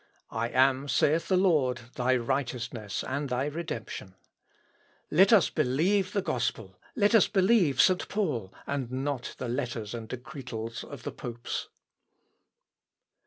'I am,' saith the Lord, 'thy righteousness and thy redemption.'... "Let us believe the gospel, let us believe St. Paul, and not the letters and decretals of the popes."